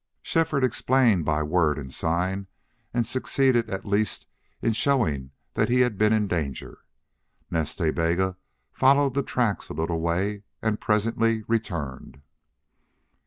Shefford explained by word and sign, and succeeded at least in showing that he had been in danger. Nas Ta Bega followed the tracks a little way and presently returned.